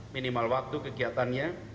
minimal waktu kegiatannya